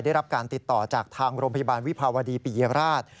ได้รับการติดต่อจากทางโรงพยาบาลวิภาวดีปิยราช